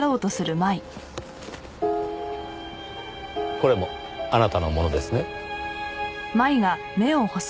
これもあなたのものですね？